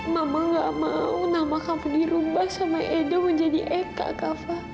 mama gak mau nama kamu dirubah sama edo menjadi eka kava